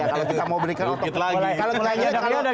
kalau kita mau berikan otokritik